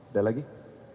ada lagi cukup